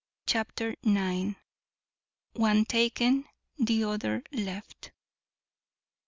CHAPTER IX ONE TAKEN, THE OTHER LEFT.